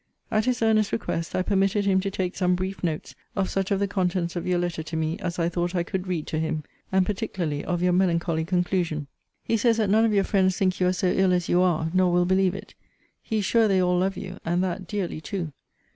At his earnest request, I permitted him to take some brief notes of such of the contents of your letter to me as I thought I could read to him; and, particularly, of your melancholy conclusion.* * See Letter XXXII. of this volume. He says that none of your friends think you are so ill as you are; nor will believe it. He is sure they all love you; and that dearly too.